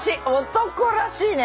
男らしいね！